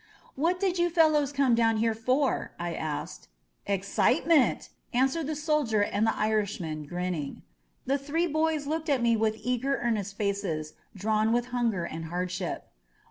What did you fellows come down here for?" I asked. 169 INSURGENT MEXICO Excitement !" answered the soldier and the Irish man, grinning. The three boys looked at me with eager, earnest faces, drawn with hunger and hardship.